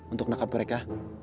untuk nangkap mereka